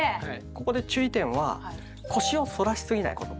ここで注意点は腰を反らしすぎないこと。